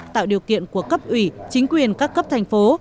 tạo điều kiện của cấp ủy chính quyền các cấp thành phố